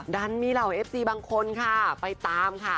ดันมีเหล่าเอฟซีบางคนค่ะไปตามค่ะ